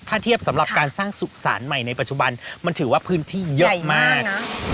ถ้าเทียบสำหรับการสร้างสุสานใหม่ในปัจจุบันมันถือว่าพื้นที่เยอะมาก